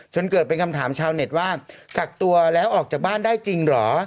จนเกิดเป็นคำถามชาวเน็ตว่ากักตัวแล้วออกจากบ้านได้จริงเหรอ